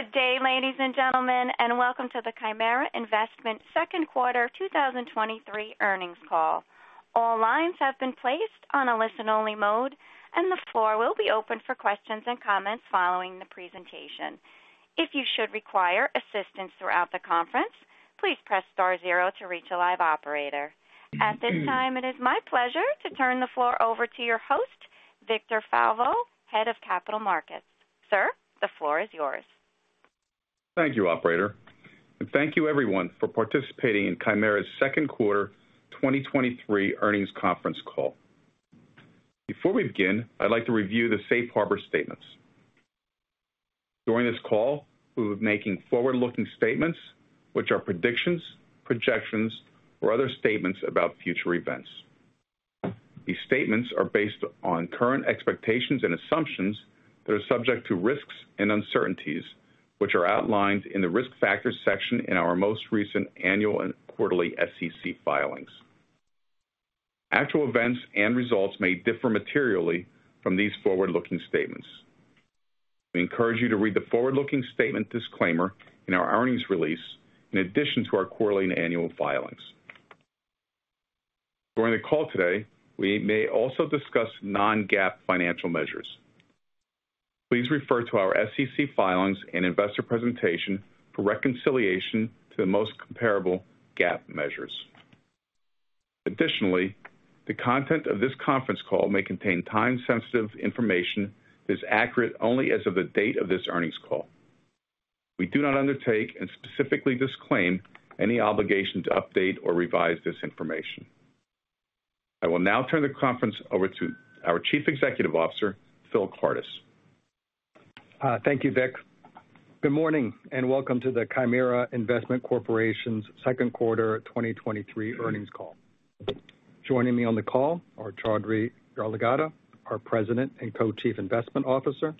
Good day, ladies and gentlemen, and welcome to the Chimera Investment second quarter 2023 earnings call. All lines have been placed on a listen-only mode, the floor will be open for questions and comments following the presentation. If you should require assistance throughout the conference, please press star zero to reach a live operator. At this time, it is my pleasure to turn the floor over to your host, Victor Falvo, Head of Capital Markets. Sir, the floor is yours. Thank you, operator, and thank you everyone for participating in Chimera's second quarter 2023 earnings conference call. Before we begin, I'd like to review the safe harbor statements. During this call, we'll be making forward-looking statements, which are predictions, projections, or other statements about future events. These statements are based on current expectations and assumptions that are subject to risks and uncertainties, which are outlined in the Risk Factors section in our most recent annual and quarterly SEC filings. Actual events and results may differ materially from these forward-looking statements. We encourage you to read the forward-looking statement disclaimer in our earnings release in addition to our quarterly and annual filings. During the call today, we may also discuss non-GAAP financial measures. Please refer to our SEC filings and investor presentation for reconciliation to the most comparable GAAP measures. Additionally, the content of this conference call may contain time-sensitive information that is accurate only as of the date of this earnings call. We do not undertake and specifically disclaim any obligation to update or revise this information. I will now turn the conference over to our Chief Executive Officer, Phil Kardis. Thank you, Vic. Good morning, and welcome to the Chimera Investment Corporation's second quarter 2023 earnings call. Joining me on the call are Choudhary Yarlagadda, our President and Co-Chief Investment Officer,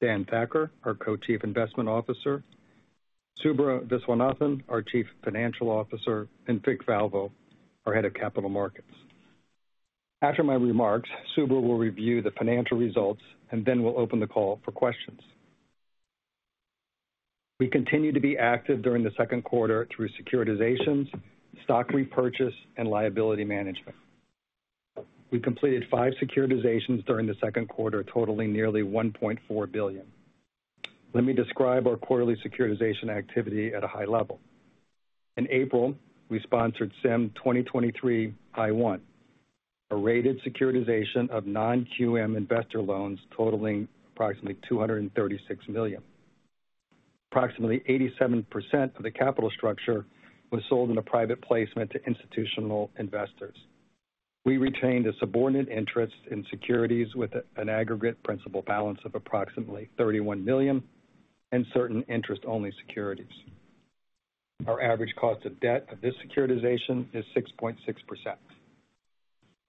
Dan Thakkar, our Co-Chief Investment Officer, Subra Viswanathan, our Chief Financial Officer, and Vic Falvo, our Head of Capital Markets. After my remarks, Subra will review the financial results, then we'll open the call for questions. We continued to be active during the second quarter through securitizations, stock repurchase, and liability management. We completed five securitizations during the second quarter, totaling nearly $1.4 billion. Let me describe our quarterly securitization activity at a high level. In April, we sponsored CIM 2023-I1, a rated securitization of non-QM investor loans totaling approximately $236 million. Approximately 87% of the capital structure was sold in a private placement to institutional investors. We retained a subordinate interest in securities with an aggregate principal balance of approximately $31 million and certain interest-only securities. Our average cost of debt of this securitization is 6.6%.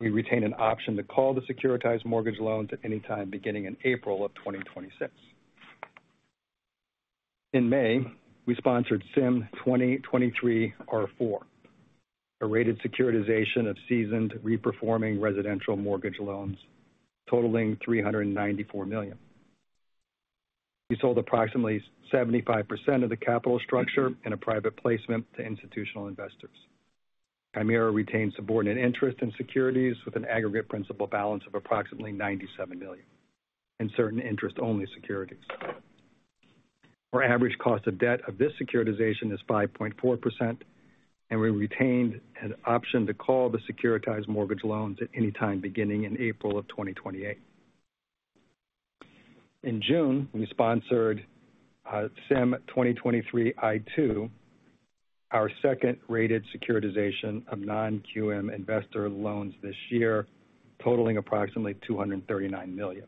We retain an option to call the securitized mortgage loans at any time beginning in April of 2026. In May, we sponsored CIM 2023-R4, a rated securitization of seasoned reperforming residential mortgage loans totaling $394 million. We sold approximately 75% of the capital structure in a private placement to institutional investors. Chimera retained subordinate interest in securities with an aggregate principal balance of approximately $97 million in certain interest-only securities. Our average cost of debt of this securitization is 5.4%. We retained an option to call the securitized mortgage loans at any time beginning in April of 2028. In June, we sponsored CIM 2023-I2, our second rated securitization of non-QM investor loans this year, totaling approximately $239 million.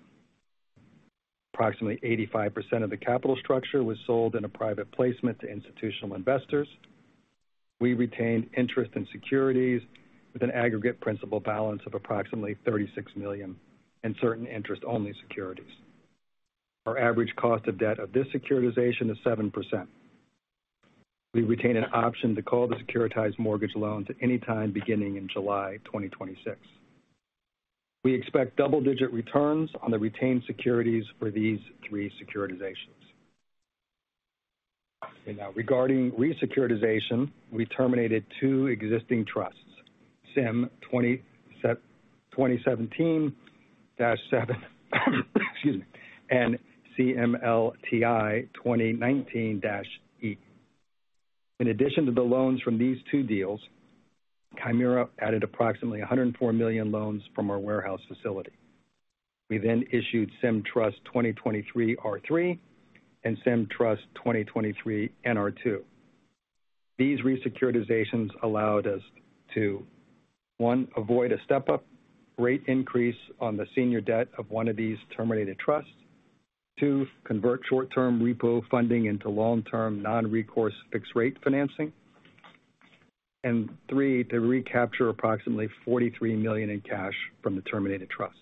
Approximately 85% of the capital structure was sold in a private placement to institutional investors. We retained interest in securities with an aggregate principal balance of approximately $36 million in certain interest-only securities. Our average cost of debt of this securitization is 7%. We retain an option to call the securitized mortgage loans at any time beginning in July 2026. We expect double-digit returns on the retained securities for these three securitizations. Now regarding re-securitization, we terminated two existing trusts, CIM 2017-7 and CMLTI 2019-E. In addition to the loans from these two deals, Chimera added approximately $104 million loans from our warehouse facility. We issued CIM Trust 2023-R3 and CIM Trust 2023-NR2. These re-securitizations allowed us to, one, avoid a step-up rate increase on the senior debt of one of these terminated trusts; two, convert short-term repo funding into long-term non-recourse fixed rate financing; three, to recapture approximately $43 million in cash from the terminated trusts.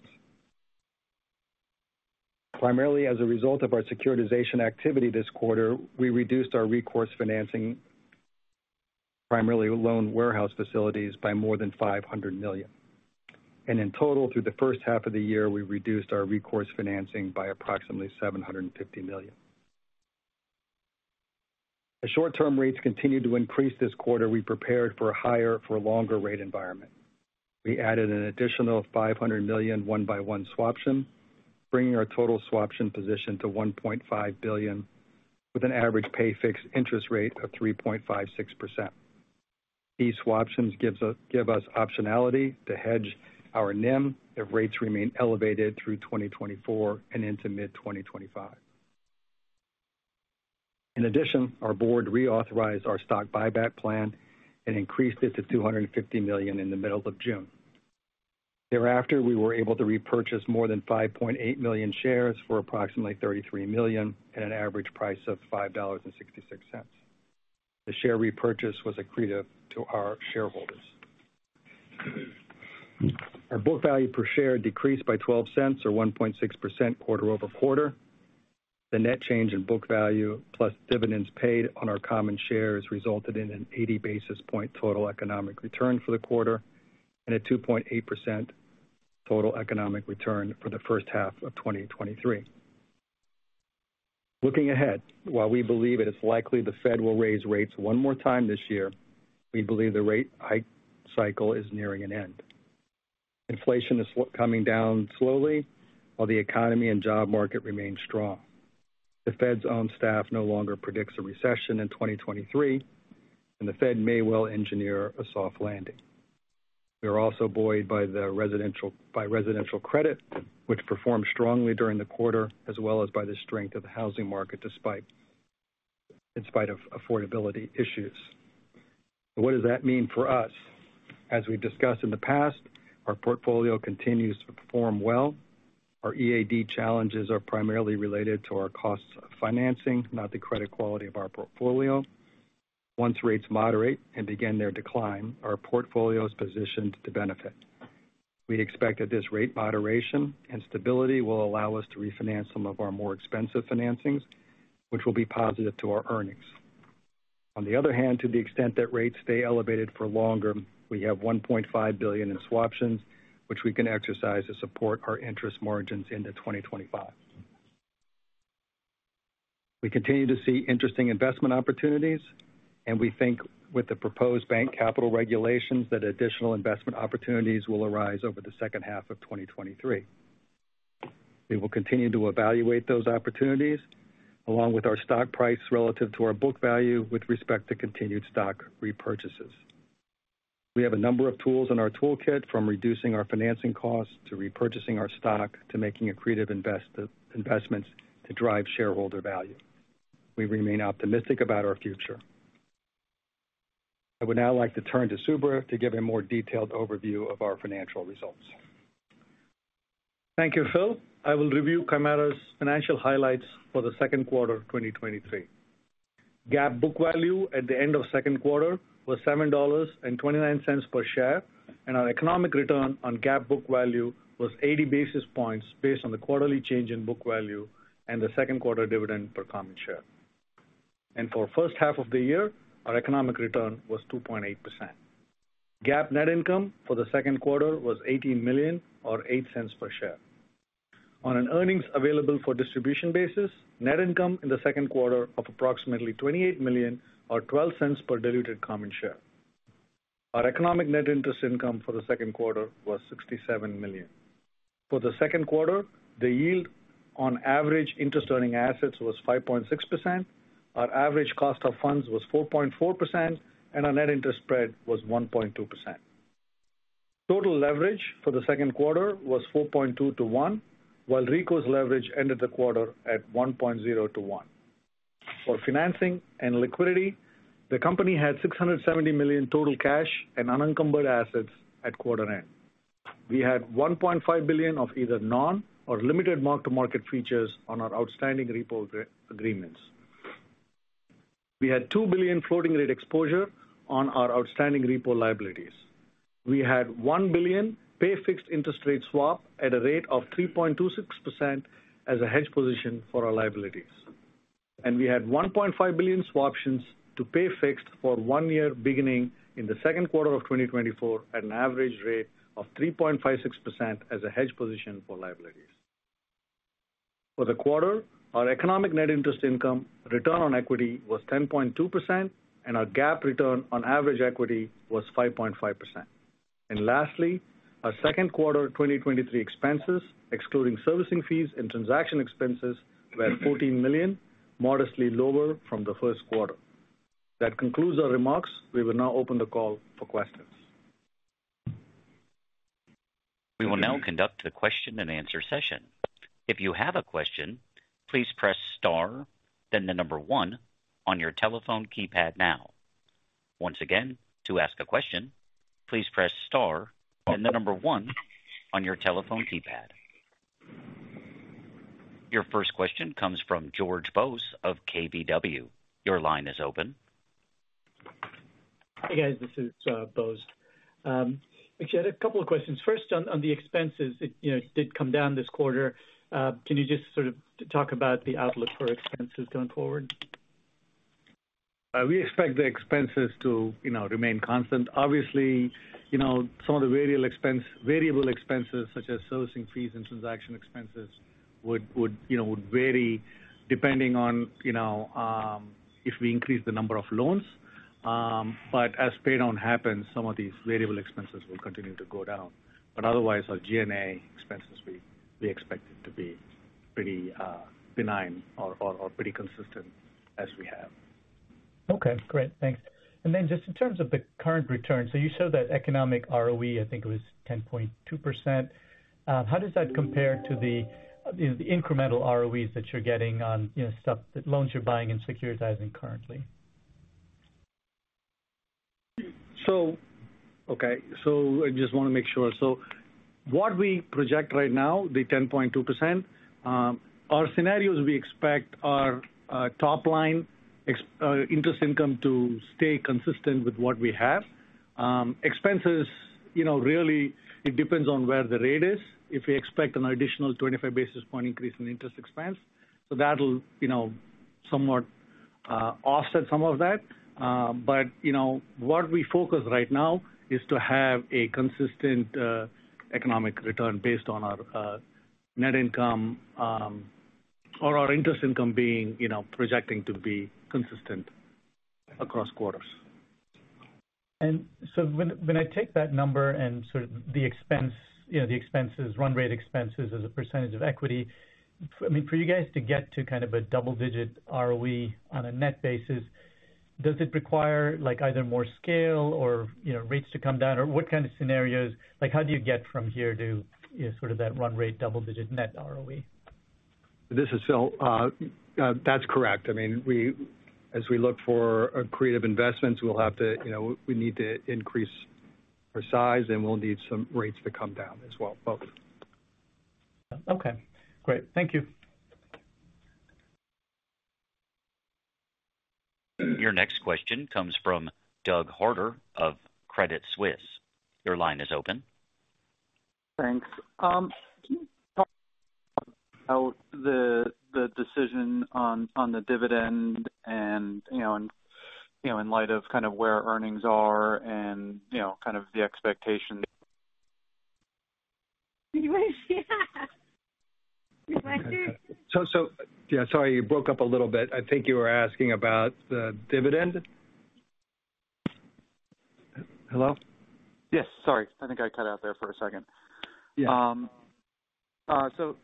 Primarily as a result of our securitization activity this quarter, we reduced our recourse financing, primarily loan warehouse facilities by more than $500 million. In total, through the first half of the year, we reduced our recourse financing by approximately $750 million. As short-term rates continued to increase this quarter, we prepared for a higher for longer rate environment. We added an additional $500 million one by one swaption, bringing our total swaption position to $1.5 billion, with an average pay fixed interest rate of 3.56%. These swaptions give us optionality to hedge our NIM if rates remain elevated through 2024 and into mid-2025. In addition, our board reauthorized our stock buyback plan and increased it to $250 million in the middle of June. Thereafter, we were able to repurchase more than 5.8 million shares for approximately $33 million at an average price of $5.66. The share repurchase was accretive to our shareholders. Our book value per share decreased by $0.12, or 1.6% quarter-over-quarter. The net change in book value, plus dividends paid on our common shares, resulted in an 80 basis point total economic return for the quarter and a 2.8% total economic return for the first half of 2023. Looking ahead, while we believe it is likely the Fed will raise rates one more time this year, we believe the rate hike cycle is nearing an end. Inflation is coming down slowly, while the economy and job market remain strong. The Fed's own staff no longer predicts a recession in 2023, and the Fed may well engineer a soft landing. We are also buoyed by residential credit, which performed strongly during the quarter, as well as by the strength of the housing market, despite in spite of affordability issues. What does that mean for us? As we've discussed in the past, our portfolio continues to perform well. Our EAD challenges are primarily related to our costs of financing, not the credit quality of our portfolio. Once rates moderate and begin their decline, our portfolio is positioned to benefit. We expect that this rate moderation and stability will allow us to refinance some of our more expensive financings, which will be positive to our earnings. On the other hand, to the extent that rates stay elevated for longer, we have $1.5 billion in swaptions, which we can exercise to support our interest margins into 2025. We continue to see interesting investment opportunities, and we think with the proposed bank capital regulations, that additional investment opportunities will arise over the second half of 2023. We will continue to evaluate those opportunities, along with our stock price relative to our book value with respect to continued stock repurchases. We have a number of tools in our toolkit, from reducing our financing costs, to repurchasing our stock, to making accretive investments to drive shareholder value. We remain optimistic about our future. I would now like to turn to Subra to give a more detailed overview of our financial results. Thank you, Phil. I will review Chimera's financial highlights for the second quarter of 2023. GAAP book value at the end of second quarter was $7.29 per share, and our economic return on GAAP book value was 80 basis points, based on the quarterly change in book value and the second quarter dividend per common share. For first half of the year, our economic return was 2.8%. GAAP net income for the second quarter was $18 million or $0.08 per share. On an Earnings Available for Distribution basis, net income in the second quarter of approximately $28 million or $0.12 per diluted common share. Our economic net interest income for the second quarter was $67 million. For the second quarter, the yield on average interest earning assets was 5.6%, our average cost of funds was 4.4%, and our net interest spread was 1.2%. Total leverage for the second quarter was 4.2 to one, while recourse leverage ended the quarter at 1.0 to one. For financing and liquidity, the company had $670 million total cash and unencumbered assets at quarter end. We had $1.5 billion of either non or limited mark-to-market features on our outstanding repo agreements. We had $2 billion floating rate exposure on our outstanding repo liabilities. We had $1 billion pay fixed interest rate swap at a rate of 3.26% as a hedge position for our liabilities. We had $1.5 billion swaptions to pay fixed for one year, beginning in the second quarter of 2024, at an average rate of 3.56% as a hedge position for liabilities. For the quarter, our economic net interest income return on equity was 10.2%, and our GAAP return on average equity was 5.5%. Lastly, our second quarter 2023 expenses, excluding servicing fees and transaction expenses, were $14 million, modestly lower from the first quarter. That concludes our remarks. We will now open the call for questions. We will now conduct a question-and-answer session. If you have a question, please press star, then the number one on your telephone keypad now. Once again, to ask a question, please press star, then the number one on your telephone keypad. Your first question comes from Bose George of KBW. Your line is open. Hey, guys, this is Bose. Actually, I had a couple of questions. First, on, on the expenses, it, you know, did come down this quarter. Can you just sort of talk about the outlook for expenses going forward? We expect the expenses to, you know, remain constant. Obviously, you know, some of the variable expenses, such as servicing fees and transaction expenses, would, would, you know, would vary depending on, you know, if we increase the number of loans. As pay-down happens, some of these variable expenses will continue to go down. But otherwise, our G&A expenses, we, we expect it to be pretty benign or pretty consistent as we have. Okay, great. Thanks. Then just in terms of the current returns, you showed that economic ROE, I think it was 10.2%. How does that compare to the incremental ROEs that you're getting on, you know, stuff, the loans you're buying and securitizing currently? Okay. I just want to make sure. What we project right now, the 10.2%, our scenarios, we expect our top line interest income to stay consistent with what we have. Expenses, you know, really it depends on where the rate is. If we expect an additional 25 basis point increase in interest expense, that'll, you know, somewhat offset some of that. What we focus right now is to have a consistent economic return based on our net income or our interest income being, you know, projecting to be consistent across quarters. When, when I take that number and sort of the expense, you know, the expenses, run rate expenses as a percentage of equity. I mean, for you guys to get to kind of a double-digit ROE on a net basis, does it require, like, either more scale or, you know, rates to come down? Or what kind of scenarios -- like, how do you get from here to, you know, sort of that run rate, double-digit net ROE? This is Phil. That's correct. I mean, as we look for accretive investments, we'll have to, you know, we need to increase our size, and we'll need some rates to come down as well. Both. Okay, great. Thank you. Your next question comes from Doug Harter of Credit Suisse. Your line is open. Thanks. can you talk about the, the decision on, on the dividend and, you know, and, you know, in light of kind of where earnings are and, you know, kind of the expectation? Yeah, sorry, you broke up a little bit. I think you were asking about the dividend. Hello? Yes, sorry. I think I cut out there for a second. Yeah. So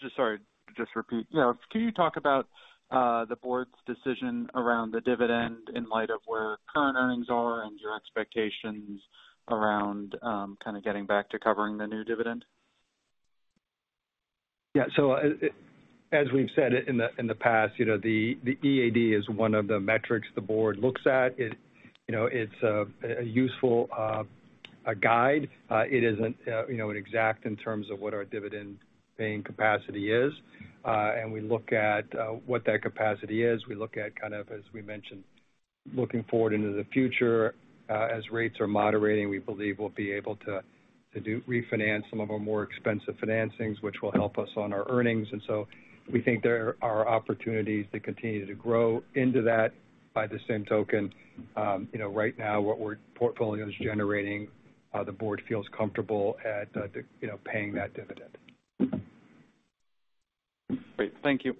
just, sorry, just to repeat. You know, can you talk about the board's decision around the dividend in light of where current earnings are and your expectations around kind of getting back to covering the new dividend? Yeah. As, as we've said in the, in the past, you know, the EAD is one of the metrics the board looks at. It, you know, it's a useful guide. It isn't, you know, an exact in terms of what our dividend-paying capacity is. We look at what that capacity is. We look at, kind of, as we mentioned, looking forward into the future. As rates are moderating, we believe we'll be able to, to do-- refinance some of our more expensive financings, which will help us on our earnings. We think there are opportunities to continue to grow into that. By the same token, you know, right now, what we're portfolio is generating, the board feels comfortable at, you know, paying that dividend. Great. Thank you.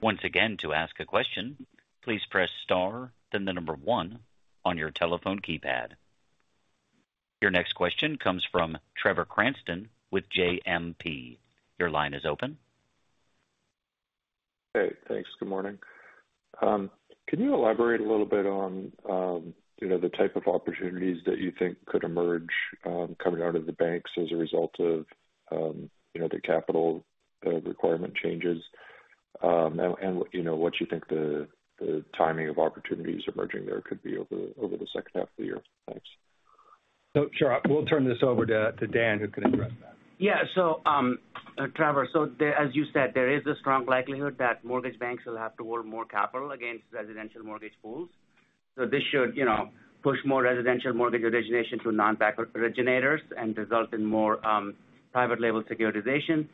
Once again, to ask a question, please press star, then the number one on your telephone keypad. Your next question comes from Trevor Cranston with JMP. Your line is open. Hey, thanks. Good morning. Can you elaborate a little bit on, you know, the type of opportunities that you think could emerge, coming out of the banks as a result of, you know, the capital requirement changes? And, you know, what you think the, the timing of opportunities emerging there could be over, over the second half of the year. Thanks. Sure. We'll turn this over to, to Dan, who can address that. Yeah. So, Trevor, so the as you said, there is a strong likelihood that mortgage banks will have to hold more capital against residential mortgage pools. This should, you know, push more residential mortgage origination to non-bank originators and result in more private label securitization.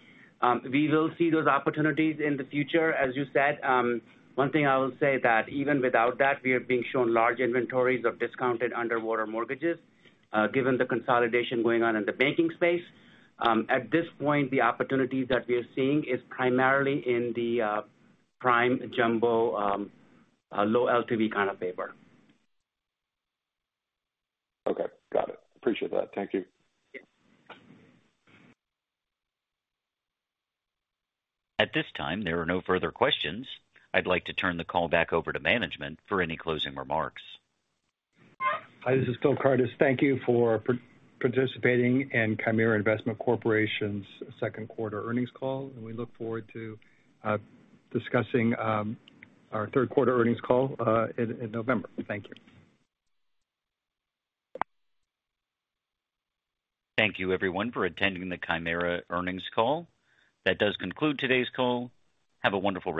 We will see those opportunities in the future, as you said. One thing I will say that even without that, we are being shown large inventories of discounted underwater mortgages, given the consolidation going on in the banking space. At this point, the opportunities that we are seeing is primarily in the prime jumbo, low LTV kind of paper. Okay, got it. Appreciate that. Thank you. Yeah. At this time, there are no further questions. I'd like to turn the call back over to management for any closing remarks. Hi, this is Phil Kardis. Thank you for participating in Chimera Investment Corporation's second quarter earnings call, and we look forward to discussing our third quarter earnings call in November. Thank you. Thank you everyone for attending the Chimera earnings call. That does conclude today's call. Have a wonderful day.